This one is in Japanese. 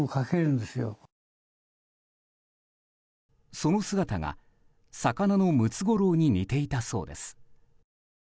その姿が魚のムツゴロウに似ていたそうです。